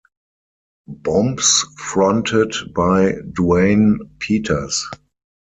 Bombs fronted by Duane Peters.